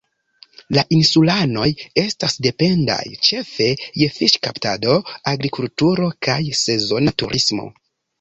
La insulanoj estas dependaj ĉefe je fiŝkaptado, agrikulturo kaj sezona turismo.